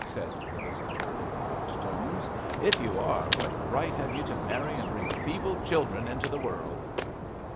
said the visitor, in loud tones. 'If you are, what right have you to marry and bring feeble children into the world?'